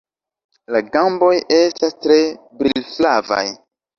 La gamboj estas tre brilflavaj.